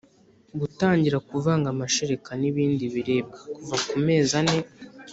Gutangira kuvanga amashereka n ibindi biribwa kuva ku mezi ane